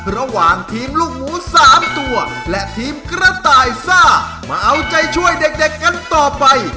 ระหว่างทีมลูกหมู๓ตัวและทีมกระต่ายซ่ามาเอาใจช่วยเด็กกันต่อไป